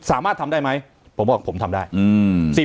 สามารถทำได้ไหมผมบอกผมทำได้อืม